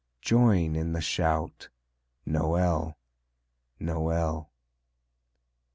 Join in the shout, Noël, Noël.